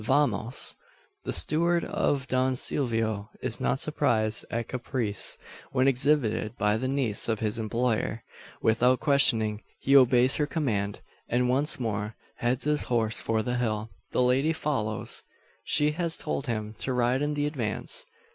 Vamos!" The steward of Don Silvio is not surprised at caprice, when exhibited by the niece of his employer. Without questioning, he obeys her command, and once more heads his horse for the hill. The lady follows. She has told him to ride in the advance.